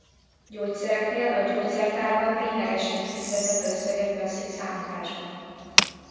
Gyógyszereknél a gyógyszertárban ténylegesen kifizetett összeget veszik számításba.